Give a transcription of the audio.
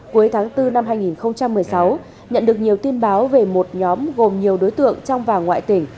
cuối tháng bốn năm hai nghìn một mươi sáu nhận được nhiều tin báo về một nhóm gồm nhiều đối tượng trong và ngoài tỉnh